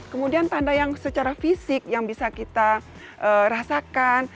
kemudian tanda yang secara fisik yang bisa kita rasakan